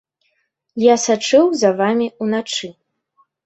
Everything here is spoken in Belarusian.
Я сачыў за вамі ўначы.